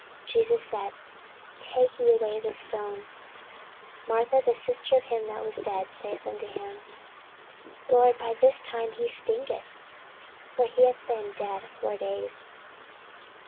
Jesus said, Take ye away the stone. Martha, the sister of him that was dead, saith unto him, Lord, by this time he stinketh: for he hath been dead four days.